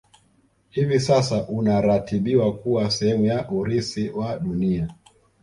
Hivi sasa unaratibiwa kuwa sehemu ya Urithi wa dunia